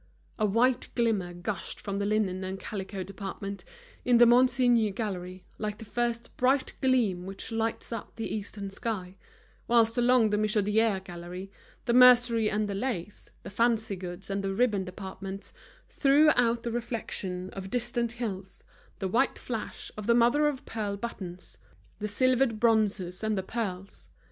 A white glimmer gushed from the linen and calico department in the Monsigny Gallery, like the first bright gleam which lights up the eastern sky; whilst along the Michodière Gallery, the mercery and the lace, the fancy goods and the ribbon departments threw out the reflection of distant hills—the white flash of the mother of pearl buttons, the silvered bronzes and the pearls.